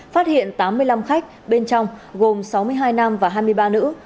phát hiện tám mươi năm khách bên trong gồm sáu mươi hai nam và hai mươi ba nữ